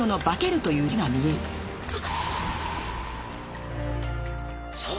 えっ。